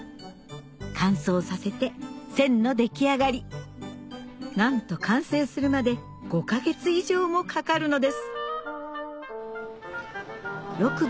乾燥させてせんの出来上がりなんと完成するまで５か月以上もかかるのですろく